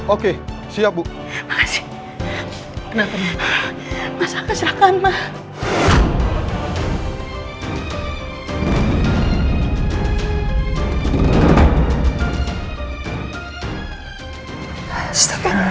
oke siap bu makasih kenapa masa kecelakaan mas